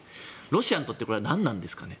ロシアにとってこれは何なんですかね。